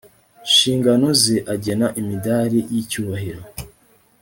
nshingano ze agena imidari y icyubahiro